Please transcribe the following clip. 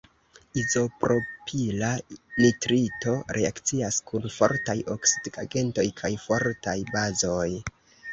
Izopropila nitrito reakcias kun fortaj oksidigagentoj kaj fortaj bazoj.